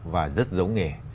và rất giống nghề